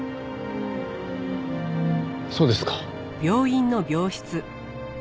そうですか。